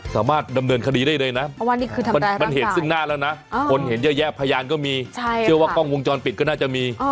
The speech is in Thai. สามารถดำเนินคดีได้เลยนะมันเหตุซึ่งหน้าแล้วนะคนเห็นเยอะแยะพยานก็มีเชื่อว่ากล้องวงจรปิดก็น่าจะมี